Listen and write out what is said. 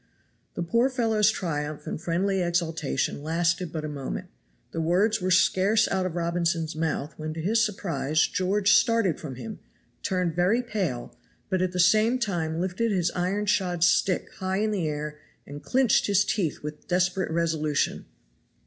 The poor fellows' triumph and friendly exultation lasted but a moment; the words were scarce out of Robinson's mouth when to his surprise George started from him, turned very pale, but at the same time lifted his iron shod stick high in the air and clinched his teeth with desperate resolution.